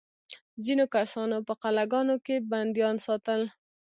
ځینو کسانو په قلعه ګانو کې بندیان ساتل.